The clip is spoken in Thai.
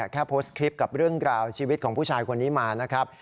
แค่โพสต์คลิปกับเรื่องราวชีวิตของผู้ชายคนนี้มานะครับ